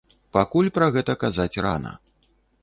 Пакуль пра гэта казаць рана.